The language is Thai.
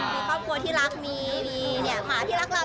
มีครอบครัวที่รักมีหมาที่รักเรา